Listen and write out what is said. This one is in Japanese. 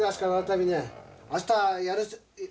明日やる。